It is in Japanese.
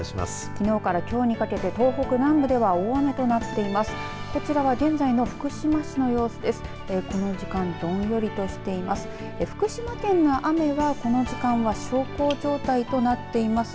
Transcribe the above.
きのうからきょうにかけて東北南部では大雨となっています。